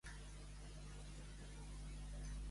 És deliciós, molt i molt bo!